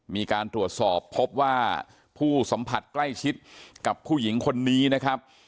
มีการตรวจสอบพบว่าผู้สัมผัสใกล้ชิดกับผู้หญิงคนนี้นะครับ